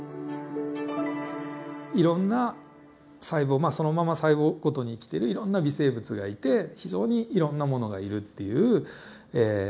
いろんな細胞そのまま細胞ごとに生きてるいろんな微生物がいて非常にいろんなものがいるっていう。